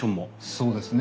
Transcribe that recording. そうですね。